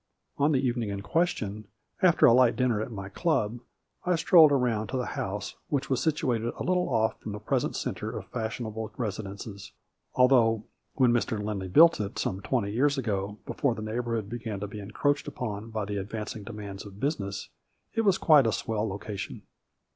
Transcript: On the evening in question, after a light dinner at my club, I strolled around to the house, which was situated a little off from the present center of fashionable residences, al though when Mr. Lindley built it, some twenty years ago, before the neighborhood began to be encroached upon by the advancing demands of business, it was quite a swell location.